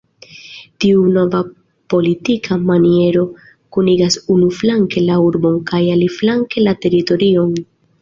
Tiu nova politika maniero, kunigas unuflanke la urbon kaj aliflanke la teritorion.